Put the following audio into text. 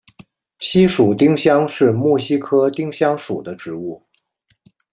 西蜀丁香是木犀科丁香属的植物。